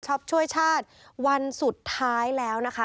ช่วยชาติวันสุดท้ายแล้วนะคะ